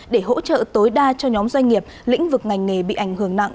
để hỗ trợ tối đa cho nhóm doanh nghiệp lĩnh vực ngành nghề bị ảnh hưởng nặng